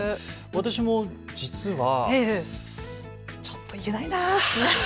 私も実は、ちょっと言えないな。